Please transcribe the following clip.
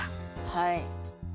はい。